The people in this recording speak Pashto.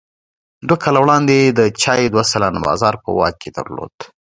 دوه کاله وړاندې یې د چای دوه سلنه بازار په واک کې درلود.